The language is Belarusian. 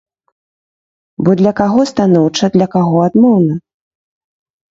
Бо для каго станоўча, для каго адмоўна?